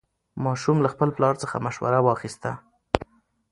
ماشوم له خپل پلار څخه مشوره واخیسته